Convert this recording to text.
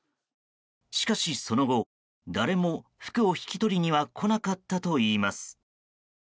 しかし、その後誰も服を引き取りには来なかったといいます。